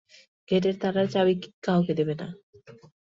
গেটের তালার চাবি কাউকে দেবে না।